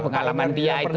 pengalaman dia itu